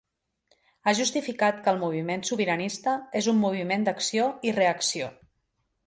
Ha justificat que el moviment sobiranista és un moviment d’acció i reacció.